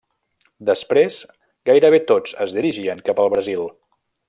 Després, gairebé tots es dirigien cap al Brasil.